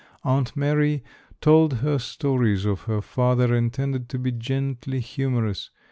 Aunt Mary told her stories of her father intended to be gently humorous.